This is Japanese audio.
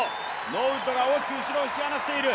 ノーウッドが大きく後ろを引き離している。